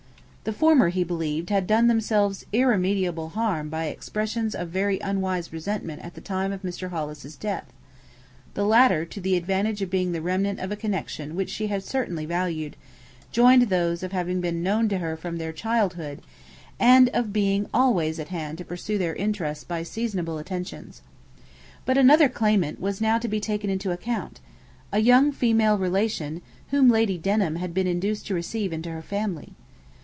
The former, he believed, had done themselves irremediable harm by expressions of very unwise resentment at the time of Mr. Hollis's death: the latter, to the advantage of being the remnant of a connection which she certainly valued, joined those of having been known to her from their childhood, and of being always at hand to pursue their interests by seasonable attentions. But another claimant was now to be taken into account: a young female relation whom Lady Denham had been induced to receive into her family.